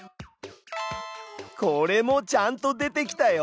これもちゃんと出てきたよ。